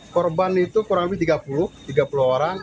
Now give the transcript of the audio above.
korban itu kurang lebih tiga puluh orang